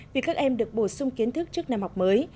vì các em được bổ sung kiến thức trước năm học mới